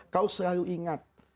kau selalu ingat